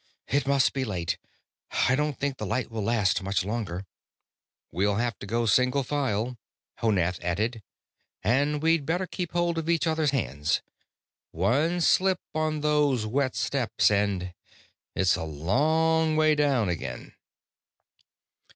"It must be late. I don't think the light will last much longer." "We'll have to go single file," Honath added. "And we'd better keep hold of each other's hands. One slip on those wet steps and it's a long way down again."